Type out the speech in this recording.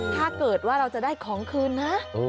ถ้าเกิดว่าเราจะได้ของคืนนะ